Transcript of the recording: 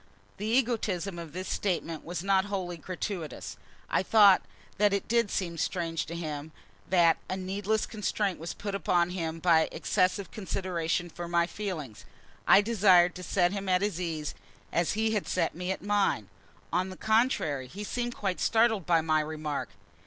The egotism of this speech was not wholly gratuitous. I thought it did seem strange to him: that a needless constraint was put upon him by excessive consideration for my feelings. I desired to set him at his ease as he had set me at mine. On the contrary, he seemed quite startled by my remark.